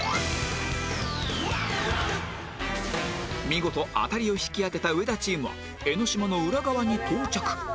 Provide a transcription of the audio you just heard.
見事アタリを引き当てた上田チームは江の島の裏側に到着